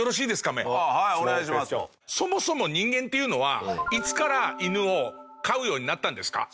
カメ小僧：そもそも人間っていうのはいつから犬を飼うようになったんですか？